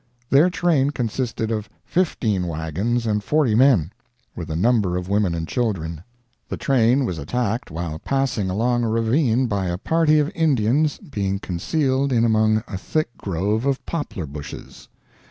Their train consisted of 15 wagons and 40 men, with a number of women and children. The train was attacked while passing along a ravine by a party of Indians being concealed in among a thick growth of poplar bushes.